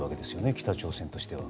北朝鮮としては。